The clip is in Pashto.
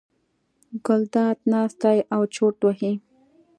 ګلداد ناست دی او چورت وهي.